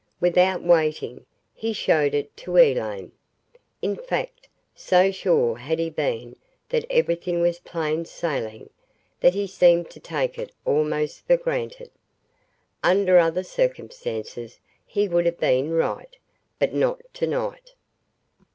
Without waiting, he showed it to Elaine. In fact, so sure had he been that everything was plain sailing, that he seemed to take it almost for granted. Under other circumstances, he would have been right. But not tonight.